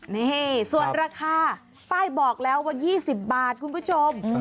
นี่ส่วนราคาป้ายบอกแล้วว่า๒๐บาทคุณผู้ชม